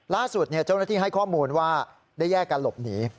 ล่าสุดเจ้าหน้าที่ให้ข้อมูลว่าได้แยกกันหลบหนี